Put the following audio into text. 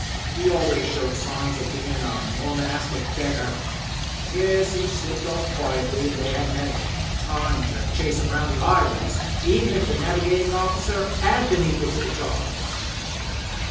He always showed signs o' bein' a Mormonastic beggar. Yes, he slipped oflF quietly an' they 'adn't time to chase 'im round the islands even if the navigatin' oflBcer 'ad been equal to the job."